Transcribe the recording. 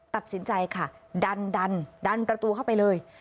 ตัดสินใจค่ะดันดันประตูเข้าไปเลย